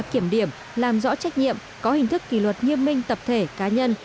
kiểm điểm làm rõ trách nhiệm có hình thức kỷ luật nghiêm minh tập thể cá nhân